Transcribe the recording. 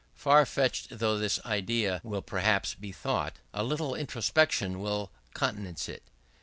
Far fetched though this idea will perhaps be thought, a little introspection will countenance it.